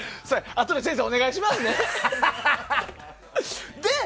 あとで先生、お願いしますね。